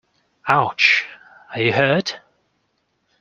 Ouch! Are you hurt?